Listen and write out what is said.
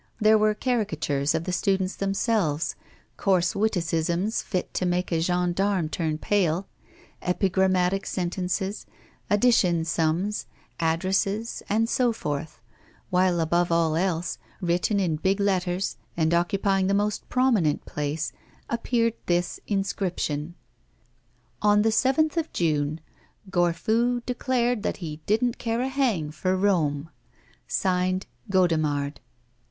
There were caricatures of the students themselves, coarse witticisms fit to make a gendarme turn pale, epigrammatic sentences, addition sums, addresses, and so forth; while, above all else, written in big letters, and occupying the most prominent place, appeared this inscription: 'On the 7th of June, Gorfu declared that he didn't care a hang for Rome. Signed, Godemard.